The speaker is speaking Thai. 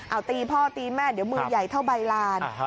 เอาตีพ่อตีแม่เดี๋ยวมือใหญ่เท่าใบลาน